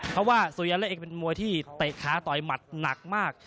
เพราะว่าสุยันเล็กเองเป็นมวยที่เตะขาต่อยหมัดหนักมาก